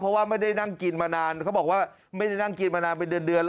เพราะว่าไม่ได้นั่งกินมานานเขาบอกว่าไม่ได้นั่งกินมานานเป็นเดือนแล้ว